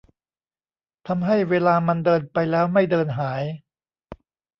ทำให้เวลามันเดินไปแล้วไม่เดินหาย